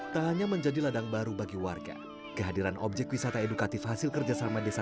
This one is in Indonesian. tak hanya menjadi ladang baru bagi warga kehadiran objek wisata edukatif hasil kerjasama desa